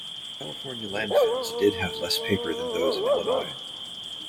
The California landfills did have less paper than those in Illinois.